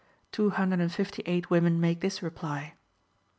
Two hundred and fifty eight women make this reply.